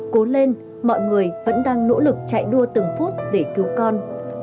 cố lên mọi người vẫn đang nỗ lực chạy đua từng phút để cứu con